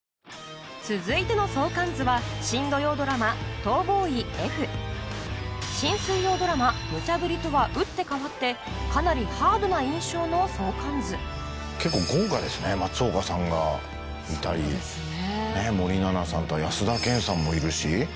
続いての相関図は新水曜ドラマ『ムチャブリ！』とは打って変わってかなりハードな印象の相関図結構豪華ですね松岡さんがいたり森七菜さんとか安田顕さんもいるし。